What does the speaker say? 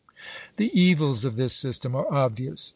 The evils of this system are obvious.